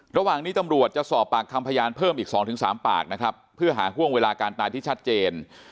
ระหว่างนี้ตำรวจจะสอบปากคำพยานเพิ่มอีก๒๓ปากนะครับเพื่อหาห่วงเวลาการตายที่ชัดเจน